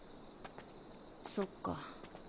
そっか。